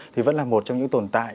thì vẫn là một trong những tồn tại